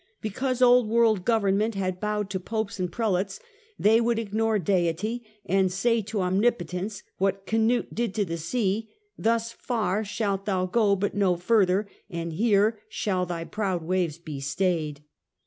Because old world government had bowed to popes and prelates, they would ignore Deity, and say to Omnipo tence what Canute did to the sea: " Thus far shalt thou go but no further, and here shall thy proud waves be stayed."